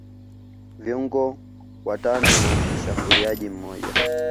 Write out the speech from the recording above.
viungo watano na mshambuliaji mmoja